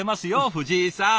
藤井さん。